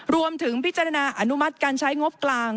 รวมถึงพิจารณาอนุมัติการใช้งบกลาง